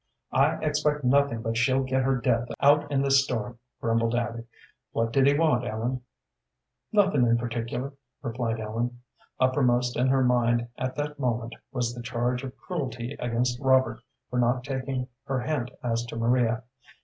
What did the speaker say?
"I expect nothing but she'll get her death out in this storm," grumbled Abby. "What did he want, Ellen?" "Nothing in particular," replied Ellen. Uppermost in her mind at that moment was the charge of cruelty against Robert for not taking her hint as to Maria.